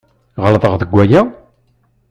Ɣelḍeɣ deg waya?